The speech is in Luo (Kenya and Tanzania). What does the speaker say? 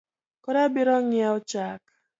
Koro abirong’iewo chak?